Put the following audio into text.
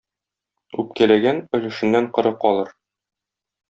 Үпкәләгән өлешеннән коры калыр.